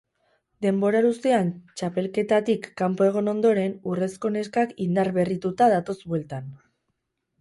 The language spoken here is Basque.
Denbora luzean txapelketetatik kanpo egon ondoren, urrezko neskak indar berrituta datoz bueltan.